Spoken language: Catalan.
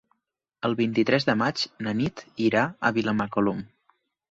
El vint-i-tres de maig na Nit irà a Vilamacolum.